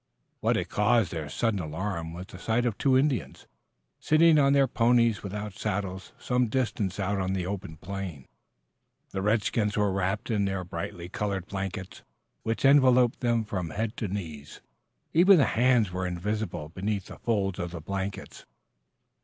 What had caused their sudden alarm was the sight of two Indians, sitting on their ponies without saddles, some distance out on the open plain. The redskins were wrapped in their brightly colored blankets, which enveloped them from head to knees. Even the hands were invisible beneath the folds of the blankets.